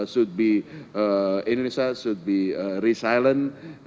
saya pikir indonesia harus berdiam